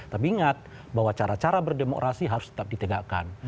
tapi ingat bahwa cara cara berdemokrasi harus tetap ditegakkan